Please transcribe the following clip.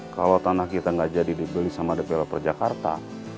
kalau tanah kita gak jadi dibeli sama the velo perjakarta